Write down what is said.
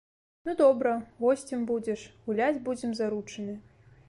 Ну добра, госцем будзеш, гуляць будзем заручыны.